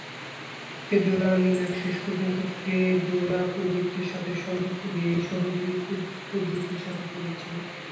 Fedora Linux শেষ পর্যন্ত Fedora project সাথে সংযুক্ত হয়ে এই সহযোগী পদ্ধতির সাথে চলেছিল।